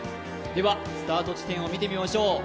スタート地点を見てみましょう。